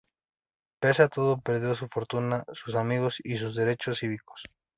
Pese a todo, perdió su fortuna, sus amigos y sus derechos cívicos.